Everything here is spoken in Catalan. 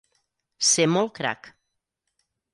Ser molt crac.